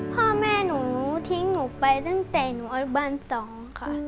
พ่อแม่หนูทิ้งหนูไปตั้งแต่หนูอนุบาล๒ค่ะ